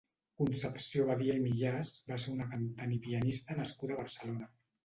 Concepció Badia i Millàs va ser una cantant i pianista nascuda a Barcelona.